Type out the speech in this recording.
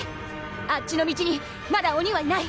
あっちの道にまだ鬼はいない。